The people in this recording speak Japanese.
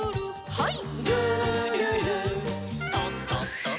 はい。